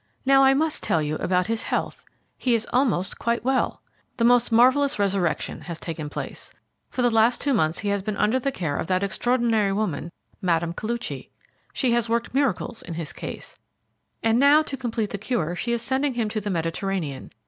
Now, I must tell you about his health. He is almost quite well. The most marvellous resurrection has taken place. For the last two months he has been under the care of that extraordinary woman, Mme. Koluchy. She has worked miracles in his case, and now to complete the cure she is sending him to the Mediterranean.